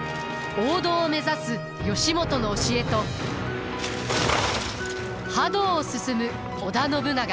王道を目指す義元の教えと覇道を進む織田信長。